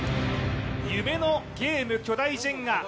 夢のゲーム、巨大ジェンガ。